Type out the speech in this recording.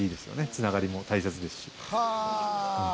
繋がりも大切ですし。